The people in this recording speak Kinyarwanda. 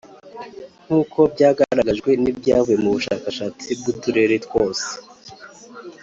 Nk’uko byagaragajwe n’ibyavuye mu bushakashatsi bw’uturere twose